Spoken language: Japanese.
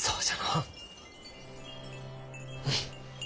うん！